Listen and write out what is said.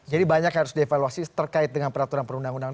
jadi banyak yang harus dievaluasi terkait dengan peraturan perundang undang